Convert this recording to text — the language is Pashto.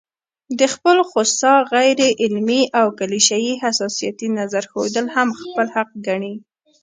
د خپل خوسا، غيرعلمي او کليشه يي حساسيتي نظر ښودل هم خپل حق ګڼي